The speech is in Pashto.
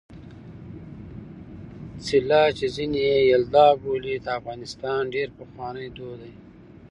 څِله چې ځيني يې یلدا بولي د افغانستان ډېر پخوانی دود دی.